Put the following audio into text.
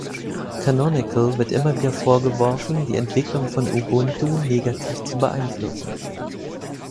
Canonical wird immer wieder vorgeworfen, die Entwicklung von Ubuntu negativ zu beeinflussen.